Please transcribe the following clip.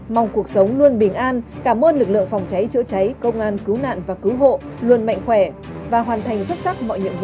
mong cuộc sống luôn bình an cảm ơn lực lượng phòng cháy chữa cháy công an cứu nạn và cứu hộ luôn mạnh khỏe và hoàn thành rất sắc